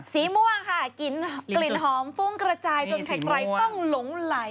สีม่วงค่ะกลิ่นหอมฟุ้งกระจายจนใครต้องหลงไหล